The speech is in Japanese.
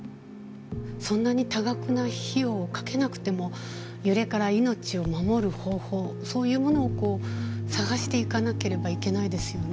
そんなに多額な費用をかけなくても揺れから命を守る方法そういうものを探していかなければいけないですよね。